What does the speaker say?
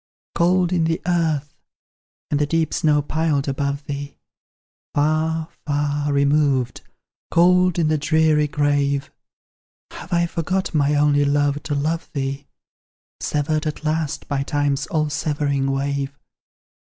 Cold in the earth and the deep snow piled above thee, Far, far, removed, cold in the dreary grave! Have I forgot, my only Love, to love thee, Severed at last by Time's all severing wave?